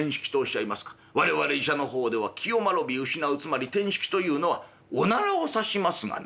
我々医者の方では気を転び失うつまり転失気というのはおならを指しますがな」。